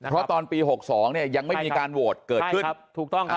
เพราะตอนปี๖๒ยังไม่มีการโหวตเกิดขึ้น